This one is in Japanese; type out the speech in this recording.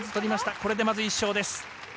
これでまず１勝です。